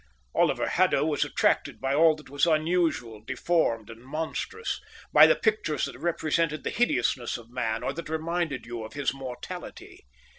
Oliver Haddo was attracted by all that was unusual, deformed, and monstrous, by the pictures that represented the hideousness of man or that reminded you of his mortality.